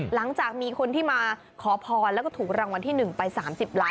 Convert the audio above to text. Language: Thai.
หลังจากมีคนที่มาขอพรแล้วก็ถูกรางวัลที่๑ไป๓๐ล้าน